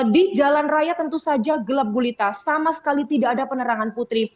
di jalan raya tentu saja gelap gulita sama sekali tidak ada penerangan putri